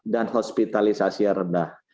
dan hospitalisasi yang rendah